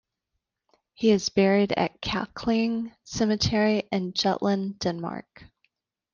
He is buried at Klakring Cemetery in Jutland, Denmark.